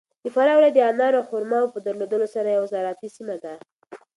فراه ولایت د انارو او خرماوو په درلودلو سره یو زراعتي سیمه ده.